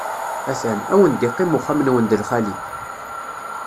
A-t-an, ad wen-d-iqqim uxxam-nwen d lxali.